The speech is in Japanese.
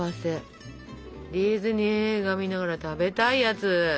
ディズニー映画見ながら食べたいやつ。